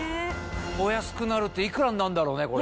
お安くなるって幾らになんだろうねこれ。